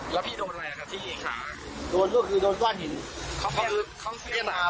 แล้วพี่โดนอะไรล่ะครับพี่เองค่ะโดนก็คือโดนก้อนหินเพราะคือเขาเฟี่ยงมา